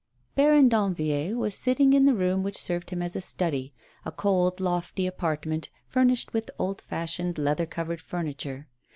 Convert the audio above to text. B aron DANVILLIERS was sitting in the room which served him as a study, a cold, lofty apart ment, furnished with old fashioned leather covered furni ture.